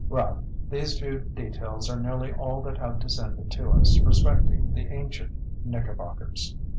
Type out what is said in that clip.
Well, these few details are nearly all that have descended to us respecting the ancient Knickerbockers.